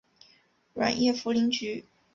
软叶茯苓菊